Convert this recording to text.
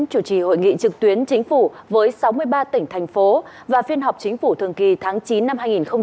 chủ trì hội nghị trực tuyến chính phủ với sáu mươi ba tỉnh thành phố và phiên họp chính phủ thường kỳ tháng chín năm hai nghìn hai mươi